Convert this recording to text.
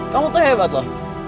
kamu tuh hebat loh